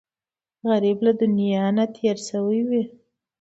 غریب له دنیا نه تېر شوی وي